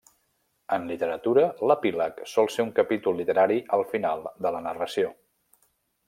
En literatura, l'epíleg sol ser un capítol literari al final de la narració.